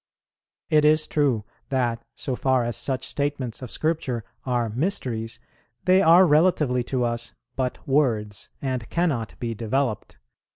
It is true that, so far as such statements of Scripture are mysteries, they are relatively to us but words, and cannot be developed.